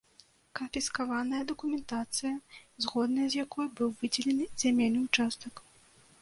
Канфіскаваная дакументацыя, згодна з якой быў выдзелены зямельны ўчастак.